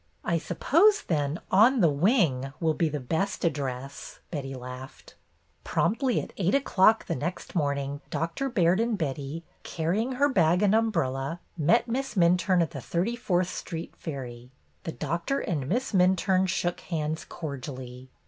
"I suppose, then, 'On the Wing' will be the best address," Betty laughed. Promptly at eight o'clock the next morning Doctor Baird and Betty, carrying her bag and umbrella, met Miss Minturne at the Thirty fourth Street ferry. The Doctor and Miss Minturne shook hands cordially.